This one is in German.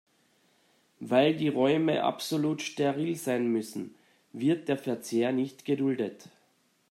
Weil die Räume absolut steril sein müssen, wird der Verzehr nicht geduldet.